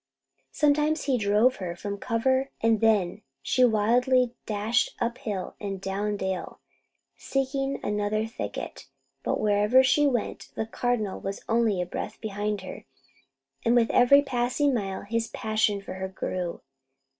Sometimes he drove her from cover, and then she wildly dashed up hill and down dale, seeking another thicket; but wherever she went, the Cardinal was only a breath behind her, and with every passing mile his passion for her grew.